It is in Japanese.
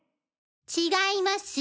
違います！